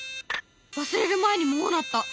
忘れる前にもう鳴った！